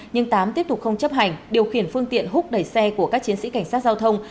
nhưng tám tiếp tục không chấp hành điều khiển phương tiện hút đẩy xe của các chiến sĩ cảnh sát giao thông